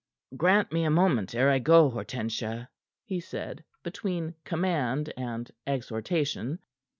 "Grant me a moment ere I go, Hortensia," he said, between command and exhortation.